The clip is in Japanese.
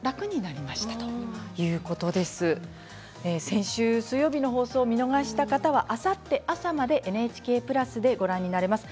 先週水曜日の放送を見逃した方はあさって朝までＮＨＫプラスでご覧になれます。